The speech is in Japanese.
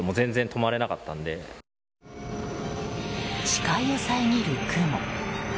視界を遮る雲。